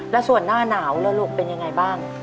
แล้วส่วนหน้าหนาวแล้วลูกเป็นยังไงบ้าง